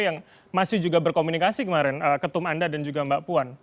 yang masih juga berkomunikasi kemarin ketum anda dan juga mbak puan